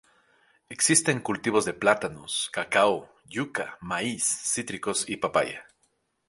Existen cultivos de plátanos, cacao, yuca, maíz, cítricos y papaya.